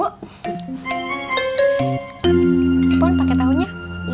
pohon pakai tahunya